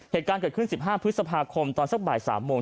เหตุการณ์เกิดขึ้น๑๕พฤษภาคมตอนสักบ่าย๓โมง